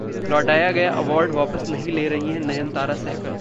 लौटाया गया अवॉर्ड वापस नहीं ले रही हैं नयनतारा सहगल